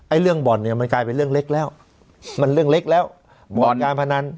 เรื่องบ่อนเนี่ยมันกลายเป็นเรื่องเล็กแล้วมันเรื่องเล็กแล้วบ่อนการพนัน